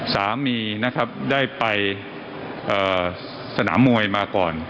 สามีนะครับได้ไปสนามมวยมาก่อน